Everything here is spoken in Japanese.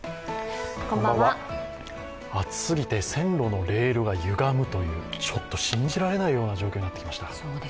暑すぎて線路のレールがゆがむというちょっと信じられないような状況になってきました。